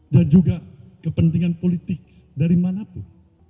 dan juga kepentingan politik dari manapun